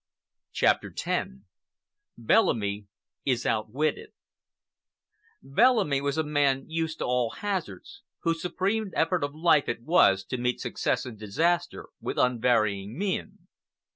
CHAPTER X BELLAMY IS OUTWITTED Bellamy was a man used to all hazards, whose supreme effort of life it was to meet success and disaster with unvarying mien.